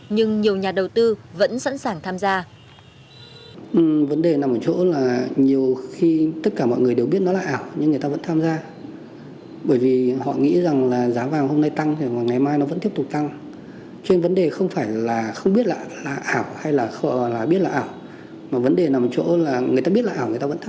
nhưng nhiều nhà đầu tư vẫn sẵn sàng tham gia